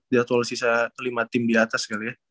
jadwal sisa kelima tim di atas kali ya